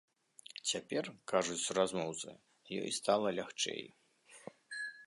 Цяпер, кажуць суразмоўцы, ёй стала лягчэй.